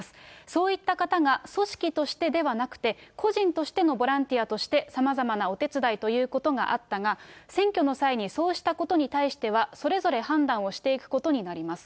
そういった方が組織としてではなくて、個人としてのボランティアとしてさまざまなお手伝いということがあったが、選挙の際にそうしたことに対しては、それぞれ判断をしていくことになります。